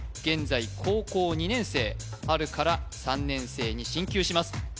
現在高校２年生春から３年生に進級します